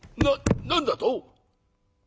「な何だと？